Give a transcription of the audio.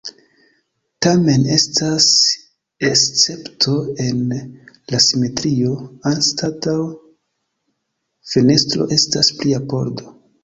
Tamen estas escepto en la simetrio, anstataŭ fenestro estas plia pordo.